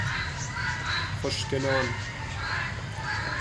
خشک نان